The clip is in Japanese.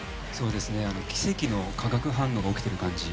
奇跡の化学反応が起きている感じ。